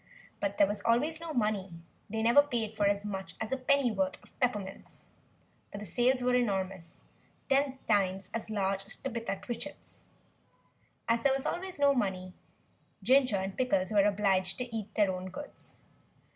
But there was always no money; they never paid for as much as a pennyworth of peppermints. But the sales were enormous, ten times as large as Tabitha Twitchit's. As there was always no money, Ginger and Pickles were obliged to eat their own goods.